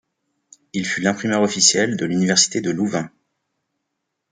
Il fut l'imprimeur officiel de l'Université de Louvain.